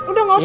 udah gak usah